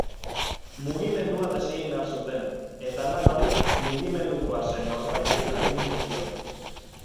Mugimendua desegin behar zuten, eta lan hori mugimendukoa zen norbaiti agindu zion.